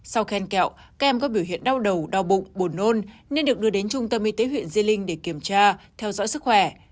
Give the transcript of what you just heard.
sau khen kẹo các em có biểu hiện đau đầu đau bụng buồn nôn nên được đưa đến trung tâm y tế huyện di linh để kiểm tra theo dõi sức khỏe